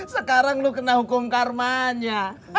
sekarang lu kena hukum karmanya